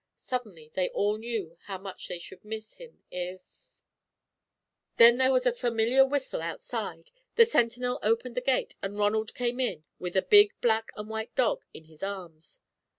Suddenly they all knew how much they should miss him if Then there was a familiar whistle outside, the sentinel opened the gate, and Ronald came in with a big black and white dog in his arms.